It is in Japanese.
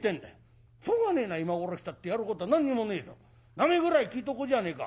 名前ぐらい聞いとこうじゃねえか。